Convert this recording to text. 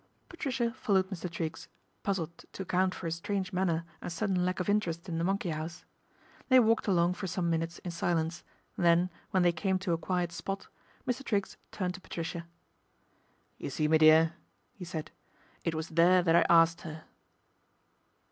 Patricia followed Mr. Triggs, puzzled to account for his strange manner and sudden lack of interest in the monkey house. They walked along for some minutes in silence, then, when they came to a quiet spot, Mr. Triggs turned to Patricia. " You see, me dear," he said, " it was there that I asked her."